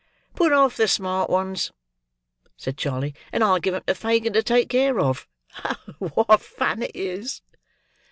"Put off the smart ones," said Charley, "and I'll give 'em to Fagin to take care of. What fun it is!"